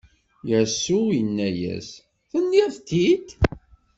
Yasuɛ inna-as: Tenniḍ-t-id!